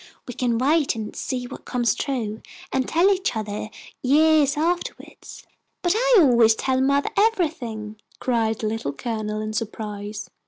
We can wait and see what comes true, and tell each other years afterward." "But I always tell mothah everything," cried the Little Colonel, in surprise.